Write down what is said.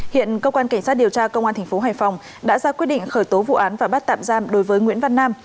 hiện cơ quan cảnh sát điều tra công an tp hải phòng đã ra quyết định khởi tố vụ án và bắt tạm giam đối với nguyễn văn nam